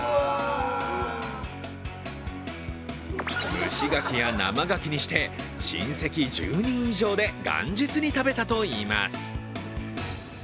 蒸しがきや生がきにして、親戚１０人以上で元日に食べたといいます。